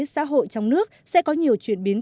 xã hội trong nước sẽ có nhiều chuyển biến